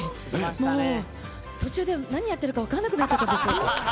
もう、途中で何やってるか分からなくなっちゃったんです。